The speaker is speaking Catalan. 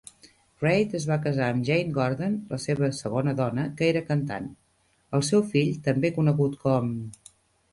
Reid es va casar amb Jane Gordon, la seva segona dona, que era cantant. El seu fill, també conegut com